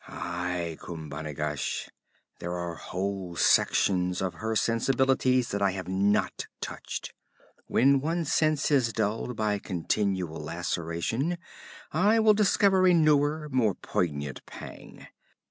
'Aye, Khumbanigash. There are whole sections of her sensibilities that I have not touched. When one sense is dulled by continual laceration, I will discover a newer, more poignant pang.